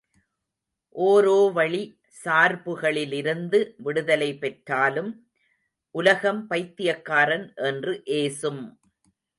ஒரோவழி சார்புகளிலிருந்து விடுதலை பெற்றாலும் உலகம் பைத்தியக்காரன் என்று ஏசும்!